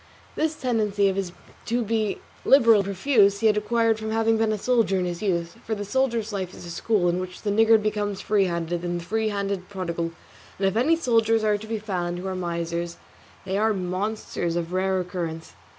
This tendency of his to be liberal and profuse he had acquired from having been a soldier in his youth, for the soldier's life is a school in which the niggard becomes free handed and the free handed prodigal; and if any soldiers are to be found who are misers, they are monsters of rare occurrence.